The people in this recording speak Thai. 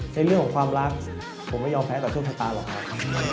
ในเรื่องของความรักผมไม่ยอมแพ้ต่อช่วงชะตาหรอกครับ